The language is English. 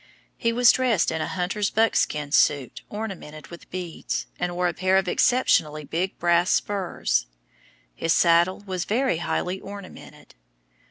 He was dressed in a hunter's buckskin suit ornamented with beads, and wore a pair of exceptionally big brass spurs. His saddle was very highly ornamented.